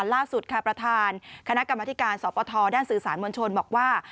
ล่าสุดค่ะประธานคณะกรรมธิการสปทด้านสื่อสารมวลชนบอกว่า